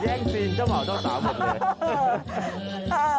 แย่งจีนเจ้าผ่าเจ้าสาวหมดเลย